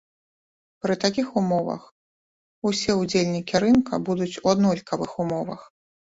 Пры такіх умовах усе ўдзельнікі рынка будуць у аднолькавых умовах.